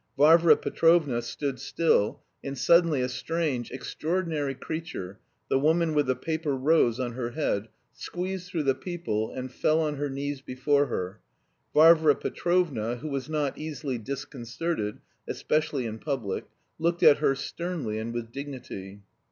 Varvara Petrovna stood still, and suddenly a strange, extraordinary creature, the woman with the paper rose on her head, squeezed through the people, and fell on her knees before her. Varvara Petrovna, who was not easily disconcerted, especially in public, looked at her sternly and with dignity.